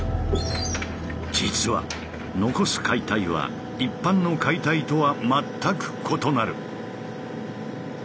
実は残す解体は一般の解体とは全く異なる。